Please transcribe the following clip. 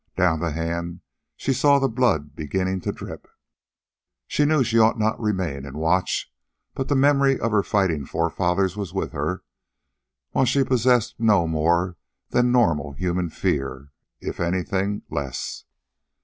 Down the hand she saw the blood beginning to drip. She knew she ought not remain and watch, but the memory of her fighting forefathers was with her, while she possessed no more than normal human fear if anything, less.